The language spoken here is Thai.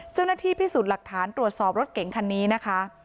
เจ้าหน้าที่พิสูจน์หลักฐานตรวจสอบรถเก๋งคันนี้นะคะ